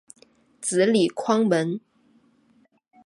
子李匡文。